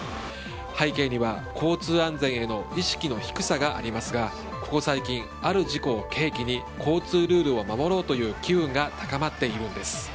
背景には交通安全への意識の低さがありますがここ最近、ある事故を契機に交通ルールを守ろうという機運が高まっているんです。